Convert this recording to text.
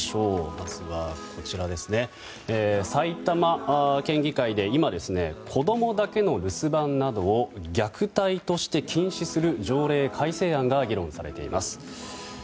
まずは埼玉県議会で今子供だけの留守番などを虐待として禁止する条例改正案が議論されています。